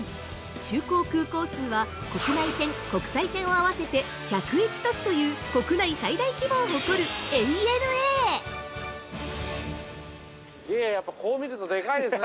就航空港数は、国内線・国際線を合わせて１０１都市という国内最大規模を誇るＡＮＡ◆すげえ、やっぱこう見ると、でかいですね。